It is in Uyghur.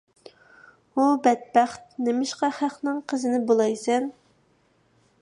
ھۇ بەتبەخت، نېمىشقا خەقنىڭ قىزىنى بۇلايسەن؟